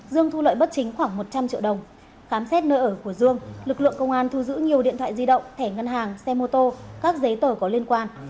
dương thu lợi bất chính khoảng một trăm linh triệu đồng khám xét nơi ở của dương lực lượng công an thu giữ nhiều điện thoại di động thẻ ngân hàng xe mô tô các giấy tờ có liên quan